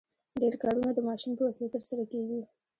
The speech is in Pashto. ډېر کارونه د ماشین په وسیله ترسره کیږي.